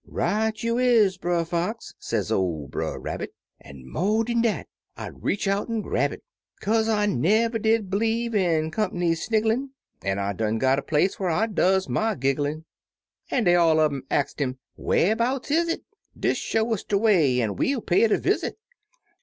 " Right you is, Brer Fox," says ol' Brer Rabbit; "An' mo' dan dat, I'd retch out an' grab it, Kaze I never did b'lieve in comp'ny snigglin'. An' 1 done got a place whar I does my gigglin'." An' dey all un um ax'd 'im, " Wharbouts Is it ? De& show us de way an' we'll pay it a visit!"